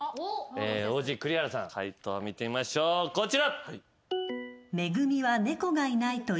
ＯＧ栗原さん解答見てみましょうこちら。